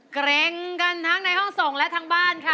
เกร็งกันทั้งในห้องส่งและทั้งบ้านค่ะ